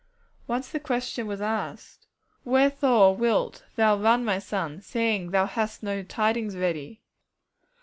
Once the question was asked, 'Wherefore wilt thou run, my son, seeing that thou hast no tidings ready?'